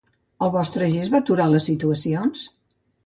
El vostre gest va aturar les salutacions?